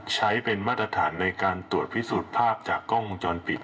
ใช้เป็นมาตรฐานในการตรวจพิสูจน์ภาพจากกล้องวงจรปิด